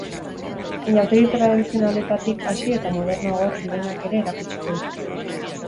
Inauteri tradizionalenetatik hasi eta modernoagoak direnak ere erakutsiko dituzte.